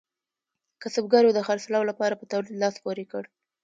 کسبګرو د خرڅلاو لپاره په تولید لاس پورې کړ.